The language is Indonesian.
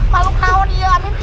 malu kau dia amin